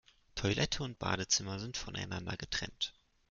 Toilette und Badezimmer sind voneinander getrennt.